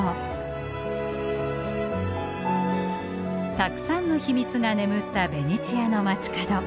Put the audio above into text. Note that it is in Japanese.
たくさんの秘密が眠ったベネチアの街角。